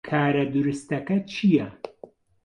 کارە دروستەکە چییە؟